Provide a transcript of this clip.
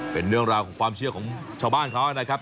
เป็นเรื่องราวของความเชื่อของชาวบ้านเขานะครับ